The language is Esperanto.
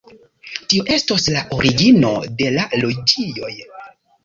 Tio estos la origino de la loĝioj.